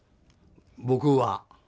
僕は。